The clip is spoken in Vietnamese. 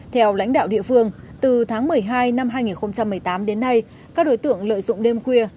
theo lãnh đạo địa phương từ tháng một mươi hai năm hai nghìn một mươi tám đến nay các đối tượng lợi dụng đêm khuya